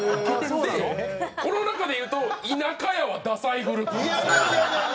でこの中でいうと田舎家はダサいグループなんですよ。